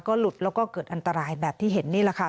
หลุดแล้วก็เกิดอันตรายแบบที่เห็นนี่แหละค่ะ